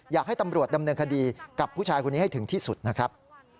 อยากให้ตำรวจดำเนินคดีกับผู้ชายคนนี้ให้ถึงที่สุดนะครับ